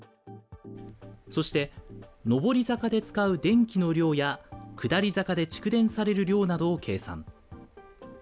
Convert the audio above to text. そして、上り坂で使う電気の量や、下り坂で蓄電される量などを計算。